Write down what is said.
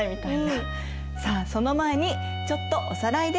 さあその前にちょっとおさらいです。